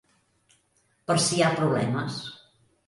Per si hi ha problemes.